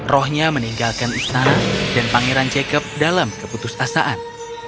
rohnya meninggalkan istana dan pangeran jacob dalam keputus asaan